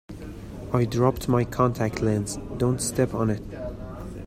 I dropped my contact lens, don't step on it!.